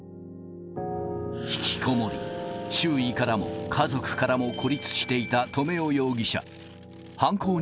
引きこもり、周囲からも家族からも孤立していた留与容疑者。